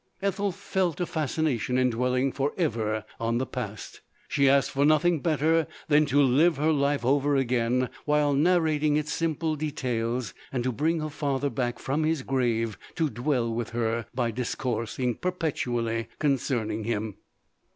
Ethel felt a fascination in dwelling for ever on the past She asked for nothing better than to live her life over again, while narrating its simple details, and to bring her father back from his grave to dwell with her, by discours ing perpetually concerning him.